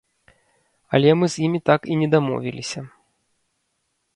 Але мы з імі так і не дамовіліся.